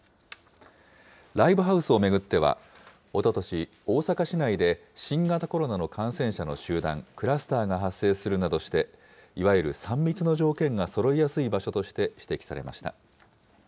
ライブハウスを巡っては、おととし、大阪市内で新型コロナの感染者の集団・クラスターが発生するなどして、いわゆる３密の条件がそろいやすい場所として指摘されました。